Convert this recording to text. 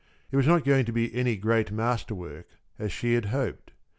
It was not going to be any great masterwork, as she had hoped.